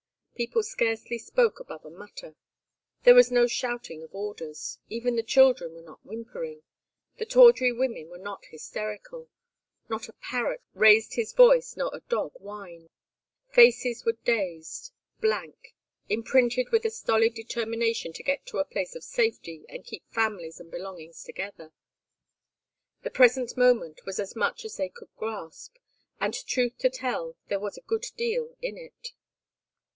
People scarcely spoke above a mutter. There was no shouting of orders. Even the children were not whimpering, the tawdry women were not hysterical, not a parrot raised his voice nor a dog whined. Faces were dazed, blank, imprinted with a stolid determination to get to a place of safety and keep families and belongings together. The present moment was as much as they could grasp, and truth to tell there was a good deal in it.